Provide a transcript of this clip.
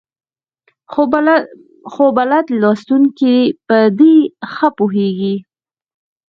خو بلد لوستونکي په دې ښه پوهېږي.